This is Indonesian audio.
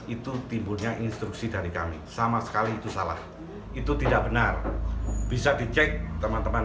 itu timbulnya instruksi dari kami sama sekali itu salah itu tidak benar bisa dicek teman teman